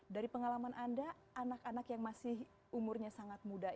dari pengalaman anda anak anak yang masih umurnya sangat muda